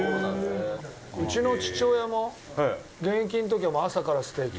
うちの父親も現役の時は、朝からステーキ。